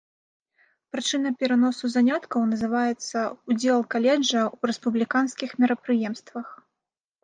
Прычына пераносу заняткаў называецца ўдзел каледжа ў рэспубліканскіх мерапрыемствах.